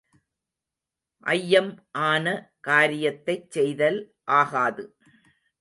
ஐயம் ஆன காரியத்தைச் செய்தல் ஆகாது.